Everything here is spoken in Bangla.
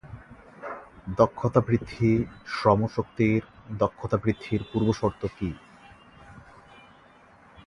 দক্ষতা বৃদ্ধি শ্রমশক্তির দক্ষতা বৃদ্ধির পূর্বশর্ত কি?